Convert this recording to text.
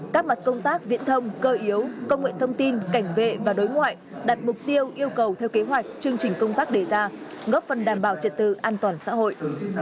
các mặt công tác viễn thông cơ yếu công nghệ thông tin cảnh vệ và đối ngoại đặt mục tiêu yêu cầu theo kế hoạch chương trình công tác đề ra góp phần đảm bảo trật tự an toàn xã hội